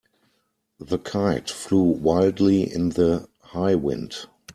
The kite flew wildly in the high wind.